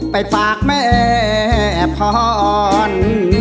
ไปฝากแม่พร